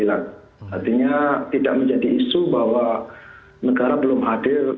artinya tidak menjadi isu bahwa negara belum hadir